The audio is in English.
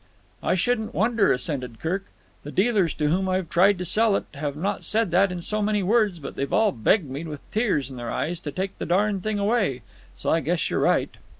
"I shouldn't wonder," assented Kirk. "The dealers to whom I've tried to sell it have not said that in so many words, but they've all begged me with tears in their eyes to take the darned thing away, so I guess you're right."